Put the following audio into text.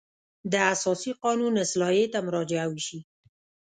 د اساسي قانون اصلاحیې ته مراجعه وشي.